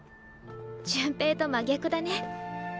潤平と真逆だね。